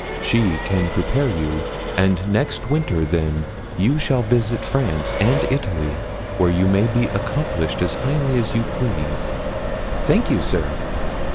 She can prepare you, and next winter, then, you shall visit France and Italy, where you may be accomplished as highly as you please.' 'Thank you, sir.'